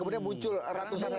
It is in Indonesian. kemudian muncul ratusan orang